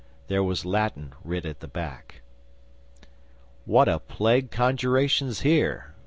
There was Latin writ at the back. '"What a plague conjuration's here?"